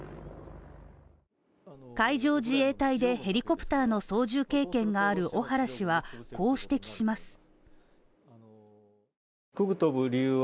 海上自衛隊でヘリコプターの操縦経験がある小原氏は、こう指摘します。